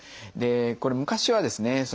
これ昔はですね